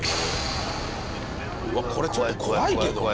うわっこれちょっと怖いけどね。